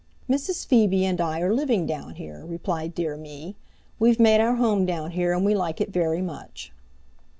"Mrs. Phoebe and I are living down here," replied Dear Me. "We've made our home down here and we like it very much."